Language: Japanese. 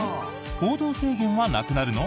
行動制限はなくなるの？